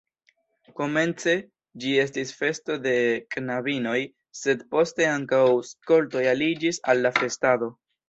Komence ĝi estis festo de knabinoj, sed poste ankaŭ skoltoj aliĝis al la festado.